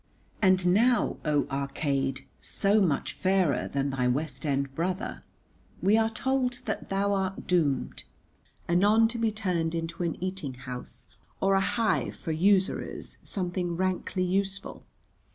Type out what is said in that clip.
And now, O Arcade, so much fairer than thy West End brother, we are told that thou art doomed, anon to be turned into an eating house or a hive for usurers, something rankly useful.